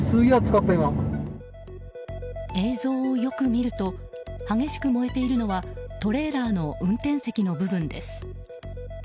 映像をよく見ると激しく燃えているのはトレーラーの運転席の部分です。